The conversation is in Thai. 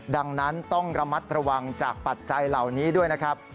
ดังนั้นต้องระมัดระวังจากปัจจัยเหล่านี้ด้วยนะครับ